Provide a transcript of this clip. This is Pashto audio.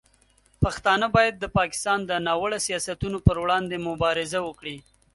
پښتانه باید د پاکستان د ناوړه سیاستونو پر وړاندې مبارزه وکړي.